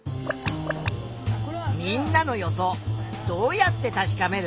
みんなの予想どうやって確かめる？